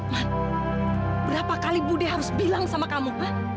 man berapa kali budi harus bilang sama kamu